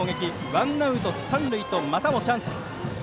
ワンアウト三塁とまたもチャンス。